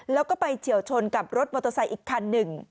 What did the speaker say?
แล้วก็ไปเฉียวชนกับรถมอเตอร์ไซค์อีกคันหนึ่ง